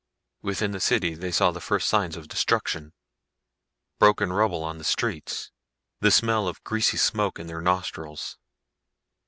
Within the city they saw the first signs of destruction. Broken rubble on the streets. The smell of greasy smoke in their nostrils.